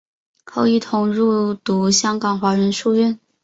后来一同入读香港华仁书院。